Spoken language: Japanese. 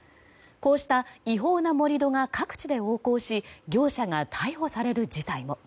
こうした違法な盛り土が各地で横行し業者が逮捕される事態も。